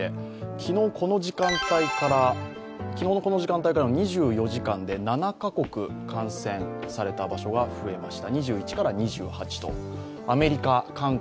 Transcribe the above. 昨日、この時間帯からの２４時間で７カ国、感染された場所が増えました。